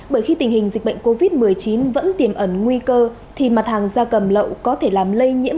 bởi khi tình hình dịch bệnh covid một mươi chín vẫn tiềm ẩn nguy cơ thì mặt hàng gia cầm lậu có thể làm lây nhiễm